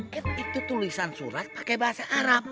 kan itu tulisan surat pakai bahasa arab